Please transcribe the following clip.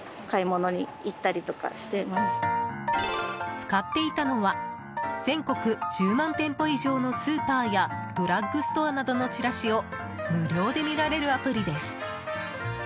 使っていたのは全国１０万店舗以上のスーパーやドラッグストアなどのチラシを無料で見られるアプリです。